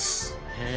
へえ。